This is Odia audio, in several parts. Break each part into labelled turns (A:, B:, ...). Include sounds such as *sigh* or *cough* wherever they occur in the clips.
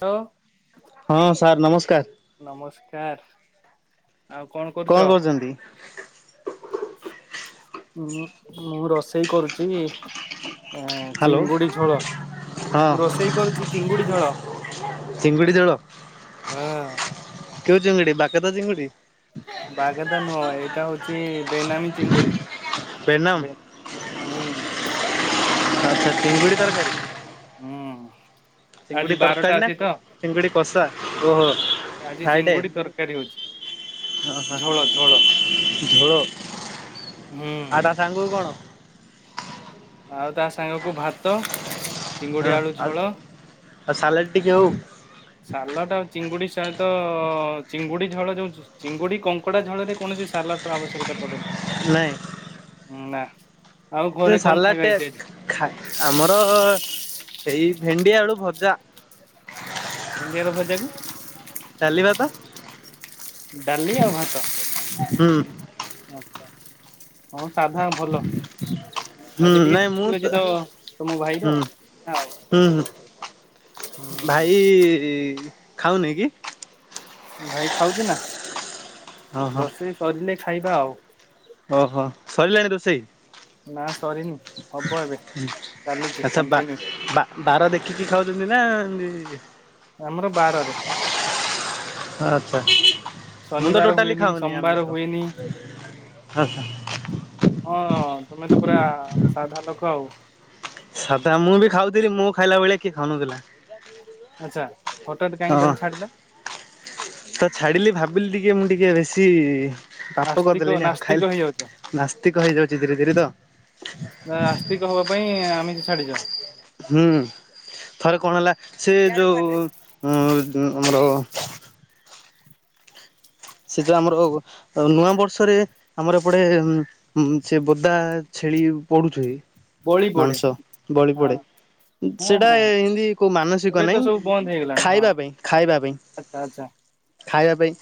A: ହାଲୋ?
B: ହଁ ସାର୍ ନମସ୍କାର।
A: ନମସ୍କାର। ଆଉ କଣ କରୁଛ?
B: ଛନ୍ତି।
A: ମୁଁ, ମୁଁ ରୋଷେଇ କରୁଛି। ଁ
B: ହ୍ୟାଲୋ
A: ଚିଙ୍ଗୁଡି ଝୋଳ,
B: ହଁ
A: ମୁଁ ରୋଷେଇ କରୁଛି ଚିଙ୍ଗୁଡି ଝୋଳ।
B: ଚିଙ୍ଗୁଡ଼ି ଝୋଳ?
A: ହଁ।
B: କେୋଉ ଚିଙ୍ଗୁଡି? ବାକେତ ଚିଙ୍ଗୁଡି?
A: ବାଗଦା ନୁହଁ, ଏଇଟା ହଉଛି ବେନାମୀ ଚିଙ୍ଗୁଡି।
B: ବେନାମ
A: ହୁଁ।
B: *unintelligible*
A: *unintelligible* ହୁଁ। ଆଜି
B: ଚିଙ୍ଗୁଡି
A: ବାରଟା
B: ତରକାରୀ ନା,
A: ଅଛି ତ
B: ଚିଙ୍ଗୁଡି କଷା? ଓହୋ
A: ଆଜି
B: ଫ୍ରାଇଡେ।
A: ଚିଙ୍ଗୁଡି ତରକାରୀ ହଉଛି
B: ଓ ହ।
A: ଝୋଳ ଝୋଳ
B: ଝୋଳ।
A: ହଁ।
B: ଆଉ ତା ସାଙ୍ଗକୁ କଣ?
A: ଆଉ ତା ସାଙ୍ଗକୁ ଭାତ ଚିଙ୍ଗୁଡି
B: ହଁ
A: ଆଳୁ
B: ଆଉ,
A: ଝୋଳ
B: ଆଉ ସାଲାଡ଼ ଟିକେ ହଉ?
A: ସାଲଡ୍ ଆଉ ଚିଙ୍ଗୁଡି ସହିତ, ଚିଙ୍ଗୁଡି ଝୋଳ ଯୋଉ ଚିଙ୍ଗୁଡି, କଙ୍କଡ଼ା ଝୋଳରେ କୌଣସି ସାଲଡ୍ ର ଆବଶ୍ୟକତା ପଡେନି।
B: ନାଇଁ।
A: ଁ ନା। ଆଉ ଘରେ କଣ
B: ସାଲାଡ
A: ଖାଇବା
B: ଟା
A: ହେଇଛି ଆଜି?
B: ଖା-ଖା, ଆମର ଏଇ ଭେଣ୍ଡି ଆଳୁ ଭଜା।
A: ଭେଣ୍ଡିଆର ଭଜା ବି
B: ଡାଲି ଭାତ?
A: ଡାଲି ଆଉ ଭାତ।
B: ହୁଁ
A: ଆଛା। ହଉ ସାଧା ଭଲ।
B: ହୁଁ
A: ଆଜି ଟିକେ
B: ନାଇଁ ମୁଁ
A: ଛୁଟି ଅଛି ତ ତମ ଭାଇ
B: ହୁଁ
A: ର। ହଉ।
B: ହୁଁ ଭାଇ ଖାଉ ନି କି?
A: ଭାଇ ଖାଉଛି ନା।
B: ହଁ
A: ରୋଷେଇ ସରିଲେ ଖାଇବା ଆଉ।
B: ଓ ହୋ ସରିଲାଣି ରୋଷେଇ?
A: ନା ସରିନି। ହବ ଏବେ, ଚାଲିଛି
B: ଆଚ୍ଛା ବା
A: କନ୍ଟିନିଉ୍।
B: ବା ବାର ଦେଖିକି ଖାଉଛନ୍ତି ନା? ଏ
A: ଆମର ବାରରେ।
B: ଆଚ୍ଛା। ମୁଁ ତ
A: ଶନିବାର
B: ଟୋଟାଲି
A: ହୁଏନି
B: ଖାଉନି
A: ସୋମବାର
B: ଆମିସ।
A: ହୁଏନି
B: ଆଛା।
A: ହଁ ତମେ ତ ପୁରା ସାଧା ଲୋକ, ଆଉ।
B: ସାତ ମୁଁ ବି ଖାଉଥିଲି, ମୋ ଖାଇଲା ଭଳିଆ କିଏ ଖାଉନଥିଲା।
A: ଆଚ୍ଛା। ହଠାତ୍ କାହିଁକି
B: ହଁ
A: ତାହେଲେ ଛାଡ଼ିିଲ?
B: ତ ଛାଡିଲି, ଭାବିଲି ଟିକେ ମୁଁ ଟିକେ ବେଶୀ ପାପ
A: ଆସ୍ତିକ
B: କରିଦେଲେଣି ଆ
A: ନାସ୍ତିକ
B: ଖାଇଲେ
A: ହେଇଯାଉଛ।
B: ନାସ୍ତିକ ହେଇଯାଉଛି ଧୀରେ ଧିରେ ତ।
A: ଆସ୍ତିକ ହବା ପାଇଁ ଆମିସ ଛାଡିଚ।
B: ହୁଁ ଥରେ କଣ ହେଲା ସେ ଯୋଉ ଉ ଆମର ସେଟା ଆମର ନୂଆ ବର୍ଷରେ ଆମର ଏପଟେ ସେ ବୋଦା ଛେଳି ପଢୁଛି।
A: ବଳି ପଡେ
B: ମାଂସ ବଳି
A: ହଁ
B: ପଡେ।
A: ହଁ
B: ସେଟା
A: ହଁ।
B: ଏମିତି କୋଉ
A: ଏବେ
B: ମାନସିକ
A: ତ
B: ନାହିଁ
A: ସବୁ ବନ୍ଦ ହେଇଗଲାଣି ହଁ
B: ଖାଇବା ପାଇଁ ଖାଇବା ପାଇଁ।
A: ଆଚ୍ଛା ଆଚ୍ଛା।
B: ଖାଇବା ପାଇଁ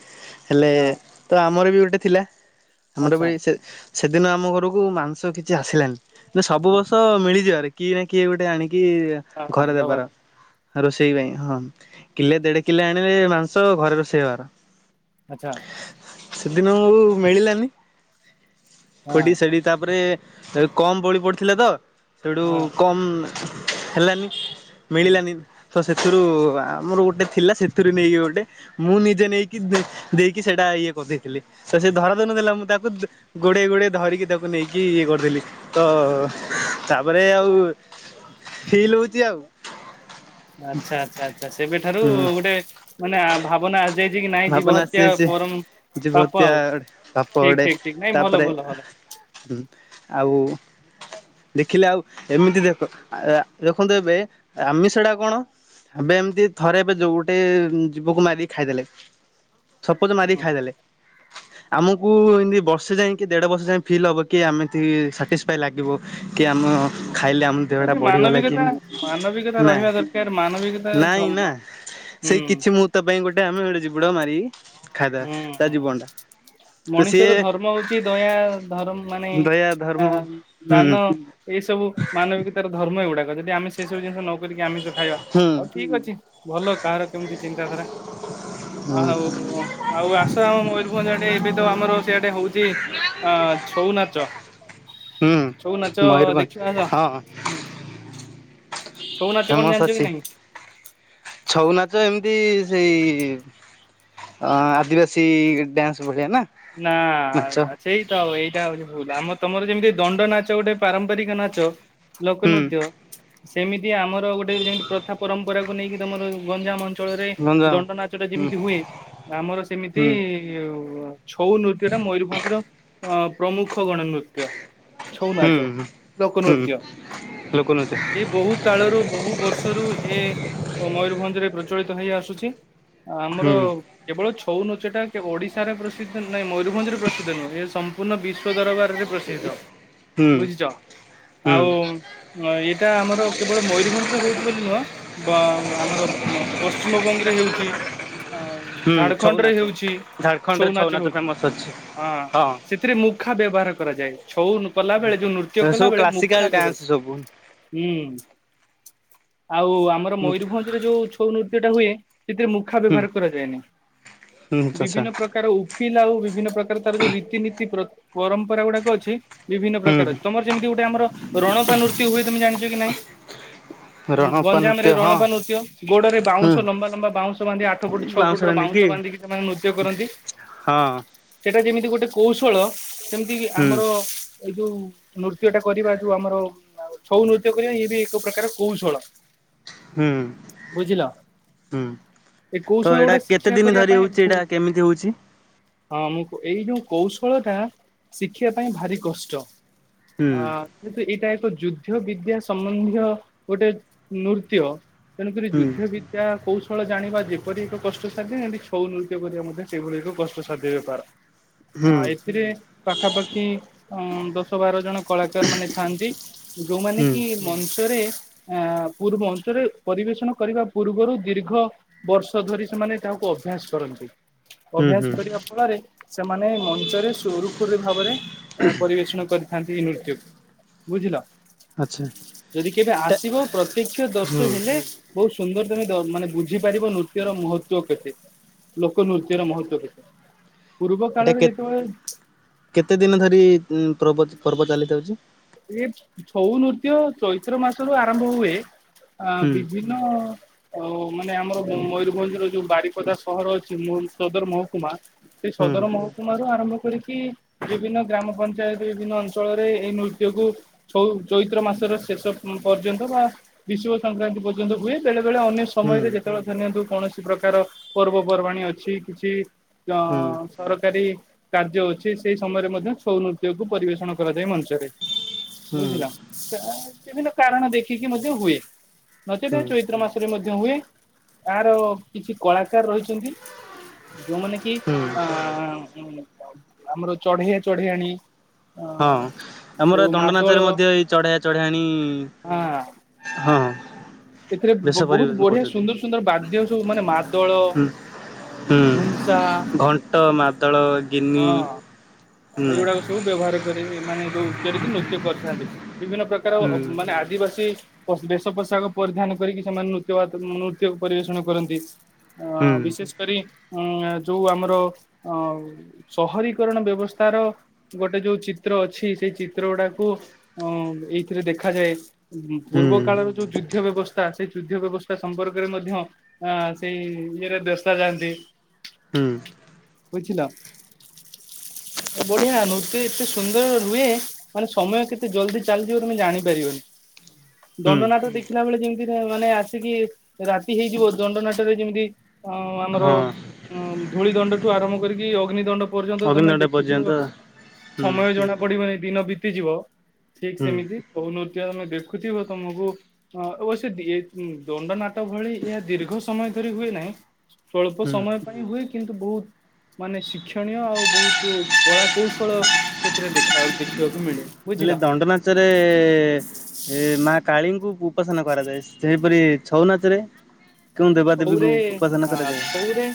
B: ହେଲେ
A: ହଁ
B: ତ ଆମର ବି ଗୋଟେ ଥିଲା ଆମର
A: ଆଚ୍ଛା।
B: ବି ସେ ସେଦିନ ଆମ ଘରକୁ ମାଂସ କିଛି ଆସିଲାନି ସବୁ
A: ହଁ
B: ବର୍ଷ ମିଳିଯିବାରେ କିଏ ନା କିଏ ଗୋଟେ ଆଣିକି
A: ହଁ
B: ଘରେ
A: ଦବାର
B: ଦେବାର। ରୋଷେଇ ପାଇଁ ହଁ କିଲେ ଦେଢ କିଲେ ଆଣିଲେ ମାଂସ ଘରେ ରୋଷେଇ ହବାର।
A: ଆଛା।
B: ସେଦିନ ଉ ମିଳିଲାନି
A: ହଁ ହଁ।
B: ଖୋଡି ସାଡି ତାପରେ ସେ କମ ବଳି ପଡିଥିଲା ତ ସେଠୁ କମ ହେଲାନି।
A: ହୁଁ
B: ମିଳିଲାନି। ତ ସେଥିରୁ ଆମର ଗୋଟେ ଥିଲା ସେଥିରୁ ନେଇକି ଗୋଟେ ମୁଁ ନିଜେ ନେଇକି ଦେଇକି ସେଇଟା ଇଏ କରିଦେଇଥିଲି ତ ସେ ଧରାଦନଥିଲା ମୁଁ ତାକୁ ଗୋଡେ ଗୋଡେ ଧରିକି ତାକୁ ନେଇକି ଇଏ କରିଦେଲି ତ ତାପରେ ଆଉ ଫିଲ ହଉଛି ଆଉ।
A: ଆଚ୍ଛା ଆଚ୍ଛା ଆଛା ସେବେଠାରୁ
B: ହୁଁ
A: ଗୋଟେ ମାନେ ଭାବନା ଯାଇଛି କି ନାଇଁ ଜୀବ
B: ଭାବନା ଆସି
A: ହତ୍ୟା
B: ଆସି
A: ପରମ୍
B: ଜୀବହତ୍ୟା ବାପ ଅଡେ
A: ଠିକ ନାଇଁ ଭଲ
B: ତାପରେ
A: ଭଲ ଭଲ
B: ହୁଁ ଆଉ ଦେଖିଲେ ଆଉ ଏମିତି ଦେଖ ଦେଖନ୍ତୁ ଏବେ ଆମି ସଟା କଣ? ଏବେ ଏମିତି ଥରେ ଏବେ ଯୋଉ ଗୋଟେ ଜୀବକୁ ମାରିକି ଖାଇଦେଲେ ସପୋଜ ମାରିକି
A: ହୁଁ।
B: ଖାଇଦେଲେ
A: *inaudible*
B: ଆମକୁ ଏମତି ବର୍ଷେ ଯାଏ କି ଦେଢ ବର୍ଷେ ଯାଏ ଫିଲ୍ ହବ କି ଏମିତି ସାଟିସଫାଇ ଲାଗିବ। କି ଆମ ଖାଇଲେ ଆମ
A: ଠିକ
B: ଦେହ ଟା
A: ଅଛି
B: ବଢିଗଲା କି
A: ମାନବିକତା ମାନବିକତା
B: ନାଇଁ
A: ରହିବା ଦରକାର ମାନବିକତା
B: ନାଇଁ
A: ଧର୍ମ
B: ନା
A: ହୁଁ
B: ସେଇ କିଛି ମୁହୂର୍ତ୍ତ ପାଇଁ ଗୋଟେ ଆମେ ଗୋଟେ ଜୀବଟା ମାରିକି ଖାଇଦବା
A: ହୁଁ
B: ତା
A: ହୁଁ।
B: ଜୀବନ ଟା
A: ମଣିଷର ଧର୍ମ ହଉଛି ଦୟା ଧର୍ମ ମାନେ
B: ଦୟା
A: ଆ
B: ଧର୍ମ ହୁଁ
A: ଦାନ ଏଇ ସବୁ ମାନବିକତାର ଧର୍ମ ଏଗୁଡାକ ଯଦି ଆମେ ସେଇ ସବୁ ଜିନିଷ ନ କରିକି ଆମିସ ଖାଇବା
B: ହୁଁ
A: ହଉ ଠିକ ଅଛି। ଭଲ କାହାର କେମିତି ଚିନ୍ତାଧାରା
B: ହୁଁ
A: ଆଉ ହଉ ଆସ ଆମ ମୟୂରଭଞ୍ଜ ଆଡେ ଏବେ ତ ଆମର ସେଆଡେ ହଉଛି ଛଉ ନାଚ
B: ହୁଁ
A: ଛଉ ନାଚ
B: ମୟୂରଭଞ୍ଜ
A: ଦେଖିବଆସ।
B: ହଁ। ଫେମସ ଅଛି ଛଉ ନାଚ ଏମିତି ସେଇ ଅ ଆଦିବାସୀ ଡ୍ୟାନ୍ସ ଭଳିଆ ନା।
A: ନା।
B: ନାଚ
A: ସେଇତ ଆଓ ଏଇଟା ହଉଛି ଭୁଲ ଆମ ତମର ଯେମିତି ଦଣ୍ଡ ନାଚ ଗୋଟେ ପାରମ୍ପରିକ ନାଚ ଲୋକ
B: ହୁଁ
A: ନୃତ୍ୟ ସେମିତି ଆମର ଗୋଟେ ଯେମତି ପ୍ରଥା ପରମ୍ପରାକୁ ନେଇକି ତମର ଗଞ୍ଜାମ ମ ଅଞ୍ଚଳରେ
B: ଗଞ୍ଜାମ
A: ଦଣ୍ଡ ନାଚ ଟା
B: ହୁଁ
A: ଯେମିତି ହୁଏ ଆମର ସେମିତି
B: ହୁଁ
A: ଛଉ ନୃତ୍ୟ ଟା ମୟୂରଭଞ୍ଜର ଅ ପ୍ରମୁଖ ଗଣନୃତ୍ୟ।
B: ହୁଁ
A: ଛଉନାଚ
B: ହୁଁ
A: ଲୋକନୃତ୍ୟ
B: ଲୋକନୃତ୍ୟ
A: ଇଏ ବହୁତ କାଳରୁ ବହୁ ବର୍ଷରୁ ଏ ମୟୂରଭଞ୍ଜ ରେ ପ୍ରଚଳିତ ହେଇ ଆସୁଚି। ଆମର
B: ହୁଁ
A: କେବଳ ଛଉ ନାଚଟା ଓଡିଶାରେ ପ୍ରସିଦ୍ଧ ନୁହେଁ ମୟୂରଭଞ୍ଜରେ ପ୍ରସିଦ୍ଧ ନୁହେଁ ଏ ପୂର୍ଣ୍ଣ ବିଶ୍ଵ ଦରବାରରେ ପ୍ରସିଦ୍ଧ
B: ହୁଁ
A: ବୁଝିଛ
B: ହୁଁ
A: ଆଉ ହଁ ଏଇଟା ଆମର କେବଳ ମୟରଭଞ୍ଜ ରେ ହଉଛି ବୋଲି ନୁହଁ। ବା ଆମର ପଶ୍ଚିମବଙ୍ଗରେ ହେଉଛି ଆଉ
B: ହୁଁ ଛଉ
A: ଝାଡଖଣ୍ଡ ରେ
B: ନାଚ
A: ହେଉଛି
B: ଝାଡ଼ଖଣ୍ଡରେ ଛଉ
A: ଛଉନାଚ
B: ନାଚ ଫେମସ୍ ଅଛି
A: ହଁ
B: ହଁ
A: ସେଥିରେ ମୁଖା ବ୍ୟବହାର କରାଯାଏ ଛଉ କଲା ବେଳେ ଯୋଉ ନୃତ୍ୟ ନୃତ୍ୟ
B: ଏ
A: କଲା
B: ସବୁ
A: ବେଳେ
B: କ୍ଲାସିକାଲ
A: ମୁଖା
B: ଡ୍ୟାନ୍ସ
A: ବ୍ୟବହୃତ
B: ସବୁ
A: ହୁଁ। ଆଉ ଆମର
B: ହୁଁ
A: ମୟୂରଭଞ୍ଜରେ ଯୋଉ ଛଉ ନୃତ୍ୟ ଟା ହୁଏ ସେଥିରେ ମୁଖ ମୁଖା
B: ହୁଁ
A: ବ୍ୟବହାର କରାଯାଏନି
B: ଆଚ୍ଛା
A: ବିଭିନ୍ନ ପ୍ରକାର ଥିଲା ଆଉ ବିଭିନ୍ନ ପ୍ରକାର ତାର ଯୋଉ ରୀତିନୀତି ପ୍ରତି ପରମ୍ପରା ଗୁଡ଼ାକ ଅଛି। ବିଭିନ୍ନ
B: ହୁଁ
A: ପ୍ରକାର ତମର ଯେମିତି ଗୋଟେ ଆମର ରଣପା ନୃତି ହୁଏ ତମେ ଜାଣିଚ କି ନାଇଁ?
B: ହଁ। ରଣପା
A: ଗଞ୍ଜାମ ରେ
B: ନୃତ୍ୟ
A: ରଣପା ନୃତ୍ୟ ଗୋଡ଼ରେ
B: ହୁଁ
A: ବାଉଁଶ ଲମ୍ବା ଲମ୍ବା ବାଉଁଶ ବାନ୍ଧି ଆଠ ଫୁଟ ଛଅ ଫୁଟ ର ବାଉଁଶ ବାନ୍ଧିକି? ସେ ମାନେ ନୃତ୍ୟ କରନ୍ତି।
B: ହଁ।
A: ସେଟା ଯେମିତି ଗୋଟେ କୌଶଳ ଯେମିତିକି
B: ହୁଁ
A: ଆମର ଏଇ ଯୋଉ ନୃତ୍ୟଟା କରିବା ଯୋଉ ଆମର ଆଉ ଛଉ ନୃତ୍ୟ କରିବା ଇଏ ବି ଏକ ପ୍ରକାର କୌଶଳ
B: ହୁଁ
A: ବୁଝିଲ।
B: ହୁଁ
A: ଏ
B: ତ
A: କୌଶଳ
B: ଏଇଟା
A: ଗୋଡ଼ା
B: କେତେ
A: ଶିକ୍ଷା
B: ଦିନ
A: କରିବା
B: ଧରି ହଉଛି ଏଇଟା
A: ପାଇଁ
B: କେମିତି ହଉଛି?
A: ହଁ ମୁଁ ଏଇ ଯୋଉ କୌଶଳ ଟା ଶିଖିବା ପାଇଁ ଭାରି କଷ୍ଟ
B: ହୁଁ
A: ଆ କିନ୍ତୁ ଏଇଟା ଏକ ଯୁଦ୍ଧ ବିଦ୍ୟା ସମ୍ବନ୍ଧୀୟ ଗୋଟେ ନୃତ୍ୟ। ତେଣୁକରି
B: ହୁଁ
A: ଯୁଦ୍ଧ ବି କୌଶଳ ଜାଣିବା ଯେପରି ଏକ କଷ୍ଟ ସାଧ୍ୟ ଏମିତି ଛଉ ନୃତ୍ୟ କରିବା ମଧ୍ୟ ସେହିଭଳି ଏକ କଷ୍ଟସାଧ୍ୟ ବେପାର
B: ହୁଁ
A: ଆଁ ଏଥିରେ ପାଖାପାଖି ଅଁ ଦଶ ବାର ଜଣ କଳାକାର ମାନେ ଥାଆନ୍ତି ଯୋଉମାନେ
B: ହୁଁ
A: କି? ମଞ୍ଚରେ ଆ ପୂ ମଞ୍ଚରେ ପରିବେଷଣ କରିବା ପୂର୍ବରୁ ଦୀର୍ଘ ବର୍ଷ ଧରି ସେମାନେ ତାହାକୁ ଅଭ୍ୟାସ କରନ୍ତି
B: ହୁଁ
A: ଅଭ୍ୟାସ
B: ହୁଁ
A: ଫଳରେ ସେମାନେ ମଞ୍ଚରେ ସୁରୁଖୁରୁ ଭାବରେ ପରିବେଷଣ କରିଥାନ୍ତି ଏଇ ନୃତ୍ୟକୁ। ବୁଝିଲ
B: ଆଚ୍ଛା।
A: ଯଦି କେବେ
B: ଏଟା
A: ଆସିବ ପ୍ରତ୍ୟକ୍ଷ
B: ହୁଁ
A: ଦର୍ଶି ହେଲେ। ବହୁତ ସୁନ୍ଦର ତମେ ମାନେ ବୁଝିପାରିବ ନୃତ୍ୟର ମହତ୍ଵ କେତେ? ଲୋକ ନୃତ୍ୟର ମହତ୍ବ କେତେ ପୂର୍ବ
B: ଏଟା
A: କାଳରେ
B: କେ
A: ଯେତେବେଳେ
B: କେତେ ଦିନ ଧରି ଉ ପ୍ରର୍ବ ପର୍ବ ଚାଲିଥାଉଚି।
A: ଏଇ ଛଉ ନୃତ୍ୟ ଚୈତ୍ର ମାସରୁୁ ଆରମ୍ଭ ହୁଏ ଆ
B: ହୁଁ
A: ବିଭିନ୍ନ ଆଉ ମାନେ ଆମର ମୟୂରଭଞ୍ଜର ଯୋଉ ବାରିପଦା ସହର ଅଛି ସଦର ମହକୁମା ସେ
B: ହୁଁ
A: ସଦର ମହକୁମରୁ ଆରମ୍ଭ କରିକି ବିଭିନ୍ନ ଗ୍ରାମ ପଞ୍ଚାୟତ ବିଭିନ୍ନ ଅଞ୍ଚଳରେ ଏଇ ନୃତ୍ୟ ଯକୁୁ ଚୈତ୍ର ମାସର ଶେଷର ପର୍ଯ୍ୟନ୍ତ ବା ବିଶୁବ ସଂକ୍ରାନ୍ତି ପର୍ଯ୍ୟନ୍ତ ହୁଏ। ବେଳେ ବେଳେ ଅନ୍ୟ
B: ହୁଁ ହୁଁ
A: ସମୟରେ ଯେତେବେଳେ ଧରି ନିଅନ୍ତୁ କୌଣସି ପ୍ରକାର ପର୍ବପର୍ବାଣୀ ଅଛି କିଛି ତ।
B: ହୁଁ
A: ସରକାରୀ କାର୍ଯ୍ୟ ଅଛି ସେଇ ସମୟରେ ମଧ୍ୟ ଛଉ ନୃତ୍ୟ କୁ ପରିବେଷଣ କରାଯାଏ ମଞ୍ଚରେ।
B: ହୁଁ
A: ବୁଝିଲ ବିଭିନ୍ନ କାରଣ ଦେଖିକି ମଧ୍ୟ ହୁଏ ନଚେତ
B: ହୁଁ
A: ଚୈତ୍ର ମାସ ମଧ୍ୟ ହୁଏ ଆର କିଛି କଳାକାର ରହିଛନ୍ତି ଯୋଉମାନେ କି
B: ହଁ।
A: ଅଁ ଆମର ଚଢେଇଆ ଚଢେଇଆଣି।
B: ହଁ ଆମର ଏ
A: ମାଦଳ
B: ଦଣ୍ଡନାଚରେ ମଧ୍ୟ ଏଇ ଚଢେଆ ଚଢଆଣି
A: ହଁ
B: ହଁ।
A: ଏଥିରେ ବହୁତ
B: ପରିବେଷଣ
A: ବଢିଆ
B: କରୁଛନ୍ତି।
A: ସୁନ୍ଦର ସୁନ୍ଦର ବାଦ୍ୟ ସବୁ ମାନେ ମାଦଳ
B: ହୁଁ। ହୁଁ
A: ଧୁମସା
B: ଘଣ୍ଟ ମାଦଳ ଗିନି
A: ହଁ।
B: ହୁଁ।
A: ଏଇଗୁଡା ସବୁ ବ୍ୟବହାର କରି ଏ ମାନେ ଯୋଉ କରିକି ନୃତ୍ୟ କରିଥାନ୍ତି। ବିଭିନ୍ନ ପ୍ରକାର
B: ହୁଁ
A: ଅ ମାନେ ଆଦିବାସୀ ପ ବେଶ ପୋଷାକ ପରିଧାନ କରିକି ସେମାନେ ନୃତ୍ୟ ବା ନୃତ୍ୟ ପରିବେଷଣ କରନ୍ତି ଅ
B: ହୁଁ
A: ବିଶେଷ କରି ଉଁ ଯୋଉ ଆମର ଅ ସହରୀକରଣ ବ୍ୟବସ୍ଥାର ଗୋଟେ ଯୋଉ ଚିତ୍ର ଅଛି ସେଇ ଚିତ୍ର ଗୁଡାକୁ ଅ ଏଇଥିରେ ଦେଖାଯାଏ।
B: ହୁଁ
A: ପୂର୍ବ କାଳର ଯୋଉ ଯୁଦ୍ଧ ବ୍ୟବସ୍ଥା ସେଇ ଯୁଦ୍ଧ ବ୍ୟବସ୍ଥା ସମ୍ପର୍କରେ ମଧ୍ୟ ହଁ ସେଇ ଇଏରେ ଦେଶା ଯାଆନ୍ତି।
B: ହୁଁ।
A: ବୁଝିଲ। ବଢିଆ ନୃତେ ଏତେ ସୁନ୍ଦର ରୁହେ ମାନେ ସମୟ କେତେ ଜଲଦି ଚାଲିଯିବ ତମେ ଜାଣିପାରିବନି।
B: ହୁଁ।
A: ଦଣ୍ଡନାଟ ଦେଖିଲା ବେଳେ ଯେମିତି ମାନେ ଆସିକି ରାତି ହେଇଯିବ ଦଣ୍ଡନାଟରେ ଯେମିତି ଅ ଆମର
B: ହଁ
A: ଧୂଳି ଦଣ୍ଡଠୁ ଆରମ୍ଭ କରିକି ଅଗ୍ନି ଦଣ୍ଡ ପର୍ଯ୍ୟନ୍ତ ତମେ
B: ଅଗ୍ନିଦଣ୍ଡା
A: ଦେଖୁଥିବ
B: ପର୍ଯ୍ୟନ୍ତ ହୁଁ
A: ସମୟ ଜଣା ପଡିବନି ଦିନ ବିତିଯିବ ଠିକ୍
B: ହୁଁ
A: ସେମିତି କୋଉ ନୃତ୍ୟ ତମେ ଦେଖୁଥିବ ତମକୁ ହଁ ଓ ସେ ଦିଏ ଦଣ୍ଡନାଟ ଭଳି ଏହା ଦୀର୍ଘ ସମୟ ଧରି ହୁଏ ନାହିଁ। ସଳ୍ପ
B: ହୁଁ
A: ସମୟ ପାଇଁ ହୁଏ କିନ୍ତୁ ବହୁତ ମାନେ ଶିକ୍ଷଣୀୟ ଆଉ ବହୁତ କଳା କୌଶଳ ସେଥିରେ ଦେଖାଉ ଦେଖିବାକୁ ମିଳେ। ବୁଝିଲ।
B: ହେଲେ ଦଣ୍ଡ ନାଚରେ ଏ ମା କାଳୀଙ୍କୁ ଉପାସନା କରାଯାଏ ସେହିପରି ଛଉ ନାଚ ରେ କେଉଁ ଦେବା ଦେବି ଙ୍କୁ
A: ଛଉରେ
B: ଉପାସନା
A: ହଁ
B: କରାଯାଏ?
A: ଛଉରେ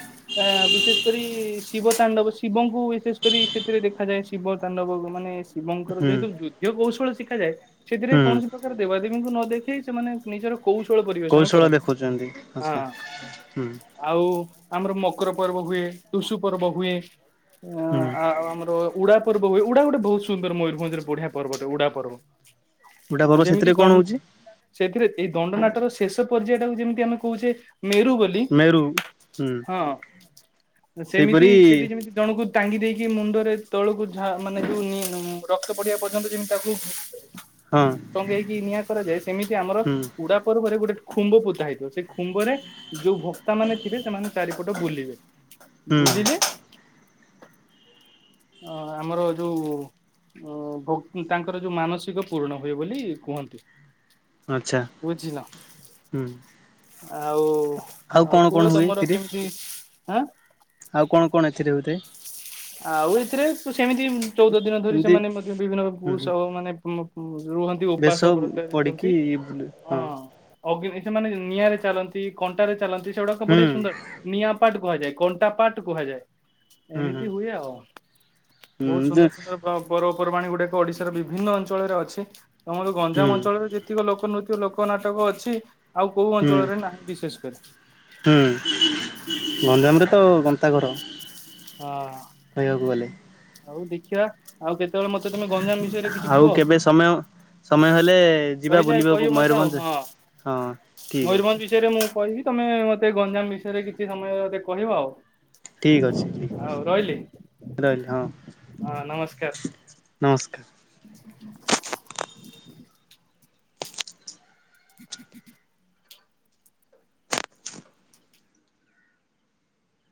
A: ଆ ବିଶେଷ କରି ଶିବ ତାଣ୍ଡବ ଶିବଙ୍କୁ ବିଶେଷ କରି ସେଥିରେ ଦେଖାଯାଏ ଶିବ ତାଣ୍ଡବକୁ ମାନେ ଶିବଙ୍କର
B: ହୁଁ
A: ଯେହେତୁ ଯୁଦ୍ଧ କୌଶଳ ଶିଖାଯାଏ ସେଥିରେ
B: ହୁଁ
A: କୌଣସି ପ୍ର ଦେବାଦେବୀଙ୍କୁ ନ ଦେଖେଇ ସେମାନେ ନିଜର କୌଶଳ ପରିବେଷଣ
B: କୌଶଳ
A: କରନ୍ତି।
B: ଦେଖୁଛନ୍ତି।
A: ହଁ
B: ଆଚ୍ଛା ହୁଁ।
A: ଆଉ ଆମର ମକର ପର୍ବ ହୁଏ ତୁସୁ ପର୍ବ ହୁଏ
B: ହୁଁ
A: ଆଉ ଆମର ଉଡା ପର୍ବ ହୁଏ ଉଡା ଗୋଟେ ବହୁତ ସୁନ୍ଦର ମୟୂରଭଞ୍ଜରେ ବଢିଆ ପର୍ବଟେ ଉଡା ପର୍ବ।
B: ଗୋଟା
A: ହଁ
B: ପର୍ବ
A: ଯେମିତି
B: ସେଥିରେ
A: ଦ
B: କଣ ହଉଛି
A: ସେଥିରେ ଏଇ ଦଣ୍ଡନାଟର ଶେଷ ପର୍ଯ୍ୟାୟଟାକୁ ଯେମିତି ଆମେ କହୁଛେ ମେରୁ ବୋ
B: ମେରୁ ହୁଁ।
A: ସେମିତି
B: ସେଇପରି
A: ସେଠି ଯେମିତି ଜଣଙ୍କୁ ଟାଙ୍ଗି ଦେଇକି ମୁଣ୍ଡରେ ତଳକୁ ଝା ମାନେ ଯୋଉ ନି ନୁମ୍ ରକ୍ତ ପଡିବା ପର୍ଯ୍ୟନ୍ତ ଯେମିତି ତାକୁ
B: ହଁ
A: *inaudible* ଟଙ୍କେଇକି ନିଆଁ କରାଯାଏ ସେମିତି ଆମର
B: ହୁଁ
A: ଉଡା ପର୍ବରେ ଗୋଟେ ଖୁମ୍ବ ପୋତା ହେଇଥିବ ସେ ଖୁ ଖୁମ୍ଭରେ ଯୋଉ ଭକ୍ତା ମାନେ ଥିବେ ସେମାନେ ଚାରିପଟ ବୁଲିବେ
B: ହୁଁ
A: ବୁଲିଲେ ଅ ଆମର ଯୋଉ ଅ ଭ ତାଙ୍କର ଯୋଉ ମାନସିକ ପୂରଣ ହୁଏ ବୋଲି କୁହନ୍ତି।
B: ଆଚ୍ଛା
A: ବୁଝିଲ।
B: ଉଁ।
A: ଆଉ ଆଉ କୁଅ
B: ହୁଏ
A: ତମର
B: ଏଥିରେ
A: କେମିତି ଆଁ?
B: ଆଉ କଣ କଣ ଏଥିରେ ହଉଥାଏ।
A: ଆଉ ଏଥିରେ ସେମିତି ଚଉଦ ଦିନ ଧରି
B: ଏମିତି
A: ସେମାନେ ମଧ୍ୟ ବିଭିନ୍ନ
B: ହୁଁ ହୁଁ
A: ପୁଷ ମାନେ ରୁ ରୁହନ୍ତି
B: ବେଶ
A: ଉପାସ ବ୍ରତରେ
B: ପଡିକି
A: ରୁହନ୍ତି
B: ବୁଲେ
A: ହଁ। ଅଗ୍ନି ସେମାନେ ନିଆଁରେ ଚାଲନ୍ତି କଣ୍ଟାରେ ଚାଲନ୍ତି ସେଗୁଡାକ
B: ହୁଁ
A: ବଢିଆ ସୁନ୍ଦର ନିଆଁ ପାଟ କୁହାଯାଏ କଣ୍ଟା ପାଟ କୁହାଯାଏ
B: ହୁଁ ହୁଁ।
A: ଏମିତି ହୁଏ ଆଉ। ବହୁତ
B: ହୁଁ ଯେ
A: ସୁନ୍ଦର ସୁନ୍ଦର ପ ପର୍ବପର୍ବାଣି ଗୁଡାକ ଓଡିଶାର ବିଭିନ୍ନ ଅଞ୍ଚଳରେ ଅଛି। ତମର
B: ହୁଁ
A: ଗଞ୍ଜାମ ଅଞ୍ଚଳରେ ଯେତିକ ଲୋକ ନୃତ୍ୟ ଲୋକ ନାଟକ ଅଛି ଆଉ କୋଉ
B: ହୁଁ
A: ଅଞ୍ଚଳରେ ନାହିଁ ବିଶେଷ କରି।
B: ହୁଁ ଗଞ୍ଜାମରେ ତ ଗନ୍ତା ଘର
A: ହଁ
B: କହିବାକୁ ଗଲେ
A: ଆଉ ଦେଖିବା ଆଉ କେତେବେଳେ ମୋତେ ତମେ ଗଞ୍ଜାମ ବିଷୟରେ କିଛି
B: ଆଉ
A: କୁହ
B: କେବେ ସମୟ? ସମୟ ହେଲେ ଯିବା
A: କହିଲେ
B: ବୁଲିବାକୁ
A: କହିବ ମୋତେ ଆଉ
B: ମୟୂରଭଞ୍ଜ।
A: ହଁ
B: ହଁ ଠିକ୍ ଅଛି
A: ମୟୁରଭଞ୍ଜ ବିଷୟରେ ମୁଁ କହିବି। ତମେ ମୋତେ ଗଞ୍ଜାମ ବିଷୟରେ କିଛି ସମୟ ମୋତେ କହିବ ଆଉ।
B: ଠିକ୍ ଅଛି। ଠିକ୍
A: ହଉ ରହିଲି
B: ଅଛି ରହିଲି ହଁ
A: ହଁ ନମସ୍କାର।
B: ନମସ୍କାର।
A: *inaudible* ହୁଁଁ